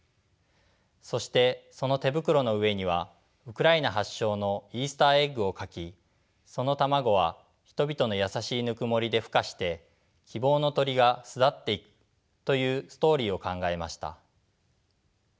そしてその手袋の上にはウクライナ発祥のイースターエッグを描きその卵は人々の優しいぬくもりでふ化して希望の鳥が巣立っていくというストーリーを考えました。